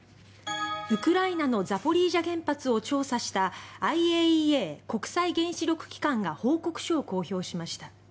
ウクライナのザポリージャ原発を調査したＩＡＥＡ・国際原子力機関が報告書を公表しました。